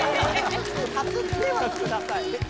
かすってはください。